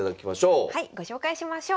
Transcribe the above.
はいご紹介しましょう。